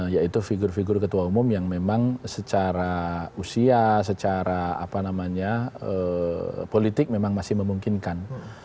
yaitu figur figur ketua umum yang memang secara usia secara politik memang masih memungkinkan